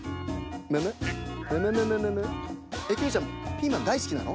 ピーマンだいすきなの？